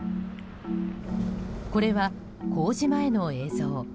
これは工事前の映像。